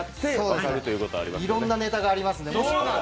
いろんなネタがありますので。